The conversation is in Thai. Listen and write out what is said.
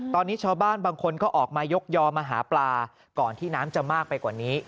ตอนนี้ชาวบ้านบางคนก็ออกมายกยอมาก่อนที่น้ำจะมากไปกว่านี้